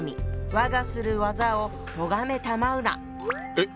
えっ！